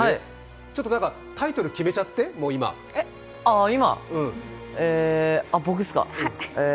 ちょっとタイトル決めちゃって、今僕っすか？